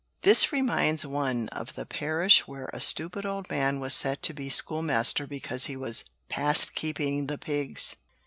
This reminds one of the parish where a stupid old man was set to be schoolmaster because he was 'past keeping the pigs.'"